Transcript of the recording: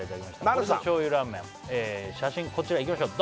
これぞ醤油ラーメン写真こちらいきましょう